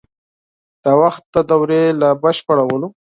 د خدمت د دورې له بشپړولو.